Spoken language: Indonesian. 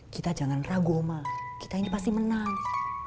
kita jangan ragu sama kita ini pasti menang